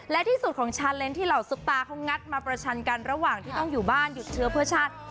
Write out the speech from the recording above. และที่สุดของชาเลนส์ที่เหล่าซุปตาเขางัดมาประชันกันระหว่างที่ต้องอยู่บ้านหยุดเชื้อเพื่อชาติ